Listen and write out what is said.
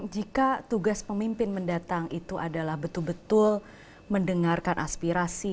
jika tugas pemimpin mendatang itu adalah betul betul mendengarkan aspirasi